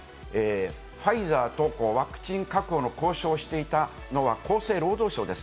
ファイザーとワクチン確保の交渉をしていたのは厚生労働省です。